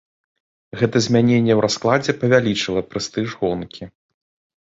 Гэта змяненне ў раскладзе павялічыла прэстыж гонкі.